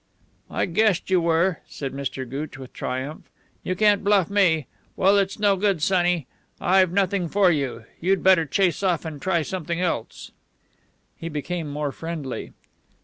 "I guessed you were," said Mr. Gooch with triumph. "You can't bluff me. Well, it's no good, sonny. I've nothing for you. You'd better chase off and try something else." He became more friendly.